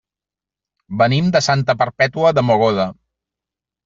Venim de Santa Perpètua de Mogoda.